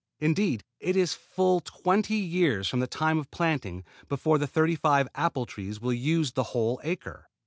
Indeed it is full twenty years from the time of planting before the thirty five apple trees will use the whole acre.